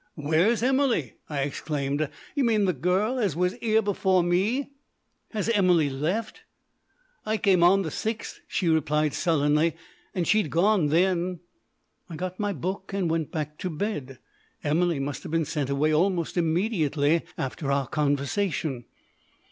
"Where's Emily? " I exclaimed. "You mean the girl as was 'ere before me?" "Has Emily left?" "I came on the 6th," she replied sullenly, "and she'd gone then." I got my book and went back to bed. Emily must have been sent away almost immediately after our conversation.